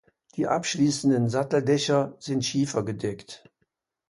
Die abschließenden Satteldächer sind schiefergedeckt.